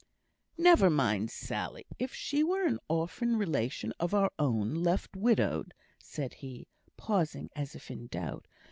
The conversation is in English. "Never mind Sally. If she were an orphan relation of our own, left widowed," said he, pausing, as if in doubt.